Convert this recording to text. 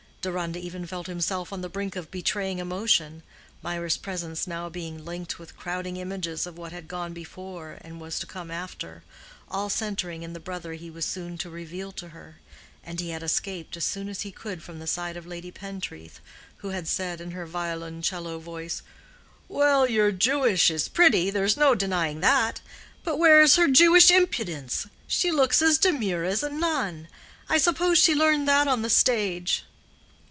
Deronda even felt himself on the brink of betraying emotion, Mirah's presence now being linked with crowding images of what had gone before and was to come after—all centering in the brother he was soon to reveal to her; and he had escaped as soon as he could from the side of Lady Pentreath, who had said in her violoncello voice, "Well, your Jewess is pretty—there's no denying that. But where is her Jewish impudence? She looks as demure as a nun. I suppose she learned that on the stage."